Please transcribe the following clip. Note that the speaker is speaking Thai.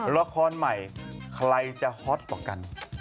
ละครใหม่ใครจะฮอตกว่ากัน